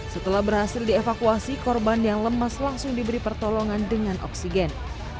setelah berhasil dievakuasi korban yang lemas langsung diberi pertolongan dengan oksigen